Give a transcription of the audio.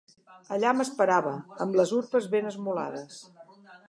Allà m'esperava, amb les urpes ben esmolades.